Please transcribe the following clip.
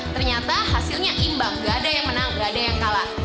ternyata hasilnya imbang gak ada yang menang gak ada yang kalah